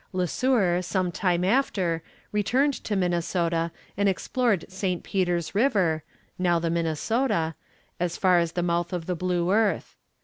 Le Sueur, some time after, returned to Minnesota and explored St. Peter's river (now the Minnesota) as far as the mouth of the Blue Earth.